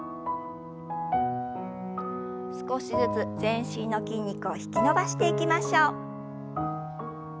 少しずつ全身の筋肉を引き伸ばしていきましょう。